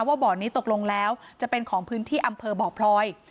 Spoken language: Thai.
บ่อนี้ตกลงแล้วจะเป็นของพื้นที่อำเภอบ่อพลอย